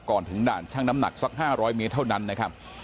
ถึงด่านช่างน้ำหนักสัก๕๐๐เมตรเท่านั้นนะครับ